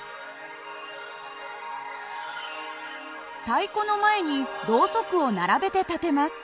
太鼓の前にろうそくを並べて立てます。